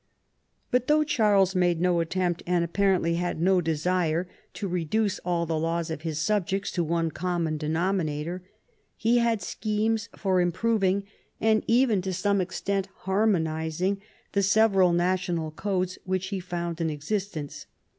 But though Charles made no attempt, and ap parently had no desire, to reduce all the laws of his subjects to one common denominator, he had schemes for improving, and even to some extent harmonizing, the several national codes which he found in exist ence.